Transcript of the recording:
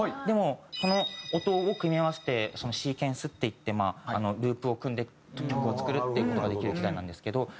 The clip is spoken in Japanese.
でもこの音を組み合わせてシーケンスっていってループを組んで曲を作るっていう事ができる機材なんですけど。